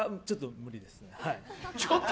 ちょっと無理ですね。